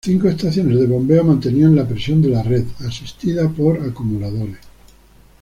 Cinco estaciones de bombeo mantenían la presión de la red, asistidas por acumuladores.